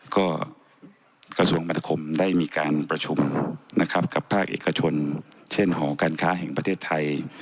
ก็กระทรวงบรรคมได้มีการประชุมนะครับกับภาคเอกชนเช่นหอการค้าแห่งประเทศไทย